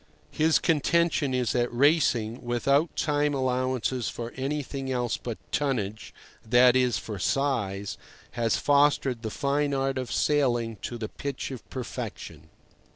His contention is that racing, without time allowances for anything else but tonnage—that is, for size—has fostered the fine art of sailing to the pitch of perfection.